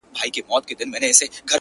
o په لک ئې نه نيسي، په کک ئې ونيسي!